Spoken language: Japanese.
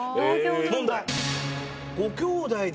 問題。